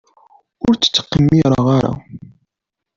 Ur tt-ttqemmireɣ ara.